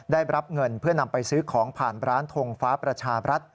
ได้รับเงินเพื่อนำไปซื้อของผ่านร้านทงฟ้าประชาบรัฐ